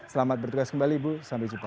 selamat bertugas kembali ibu sampai jumpa